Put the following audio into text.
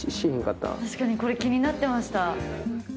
確かにこれ気になってました。